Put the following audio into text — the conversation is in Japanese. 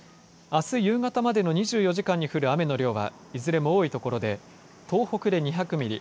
あす夕方までの２４時間に降る雨の量はいずれも多い所で東北で２００ミリ